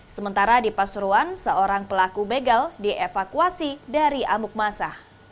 sementara di pasuruan seorang pelaku begal dievakuasi dari amuk masa